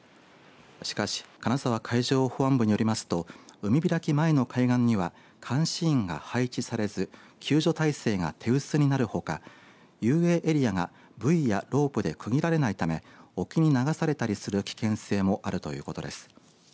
しかし金沢海上保安部によりますと海開き前の海岸には監視員が配置されず救助体制が手薄になるほか遊泳エリアがブイやロープで区切られないため沖に流されたりする危険性もあるということです。